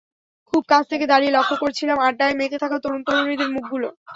খুব কাছ থেকে দাঁড়িয়ে লক্ষ করছিলাম আড্ডায় মেতে থাকা তরুণ-তরুণীদের মুখগুলো।